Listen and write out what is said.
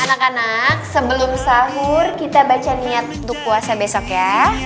anak anak sebelum sahur kita baca niat untuk puasa besok ya